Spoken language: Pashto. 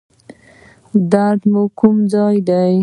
درد مو د کوم ځای دی؟